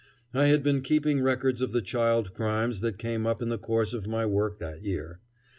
I had been keeping records of the child crimes that came up in the course of my work that year.